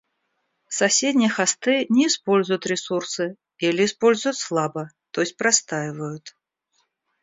Соседние хосты не используют ресурсы или используют слабо, то есть простаивают